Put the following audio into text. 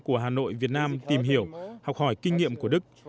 của hà nội việt nam tìm hiểu học hỏi kinh nghiệm của đức